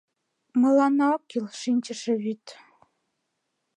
Мыланна ок кӱл шинчыше вӱд